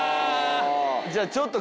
じゃあちょっと。